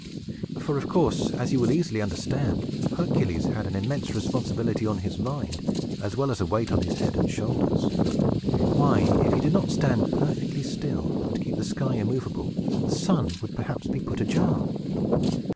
For, of course, as you will easily understand, Hercules had an immense responsibility on his mind, as well as a weight on his head and shoulders. Why, if he did not stand perfectly still, and keep the sky immovable, the sun would perhaps be put ajar!